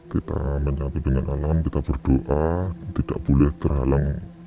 kita menyatu dengan alam kita berdoa tidak boleh terhalang